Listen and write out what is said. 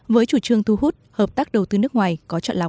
với chủ trương thu hút hợp tác đầu tư nước ngoài có chọn lọc